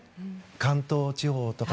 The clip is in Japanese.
関東地方とか。